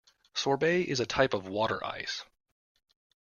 Sorbet is a type of water ice